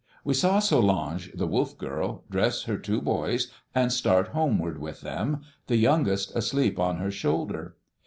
We saw Solange, the wolf girl, dress her two boys and start homeward with them, the youngest asleep on her shoulder.